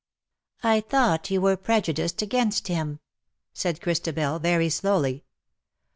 ''^'^ I thought you were prejudiced against him," said Christabel, very slowly.